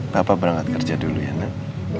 bapak berangkat kerja dulu ya nak